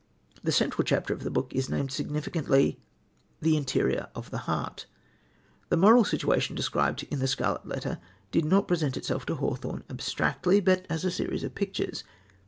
The central chapter of the book is named significantly: "The Interior of a Heart." The moral situation described in The Scarlet Letter did not present itself to Hawthorne abstractly, but as a series of pictures.